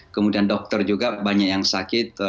kemudian dokter juga banyak yang sakit